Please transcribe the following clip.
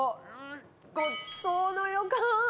ごちそうの予感。